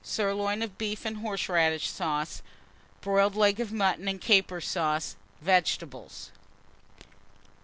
Sirloin of Beef and Horseradish Sauce. Boiled Leg of Mutton and Caper Sauce. Vegetables.